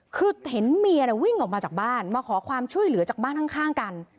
คือเห็นเมียวิ่งออกมาจากบ้านมาขอความช่วยเหลือจากบ้านข้างกัน